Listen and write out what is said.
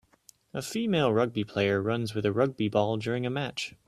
A female rugby player runs with a rugby ball during a match